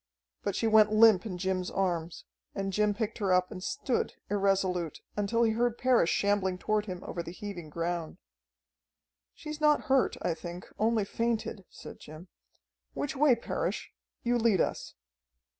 But she went limp in Jim's arms, and Jim picked her up and stood irresolute, until he heard Parrish shambling toward him over the heaving ground. "She's not hurt, I think, only fainted," said Jim. "Which way, Parrish? You lead us."